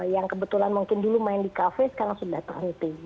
yang kebetulan mungkin dulu main di cafe sekarang sudah tanti